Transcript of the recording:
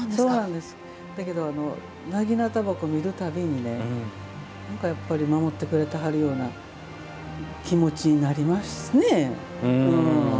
だけど長刀鉾を見るたびに守ってくれはるような気持ちになりますね。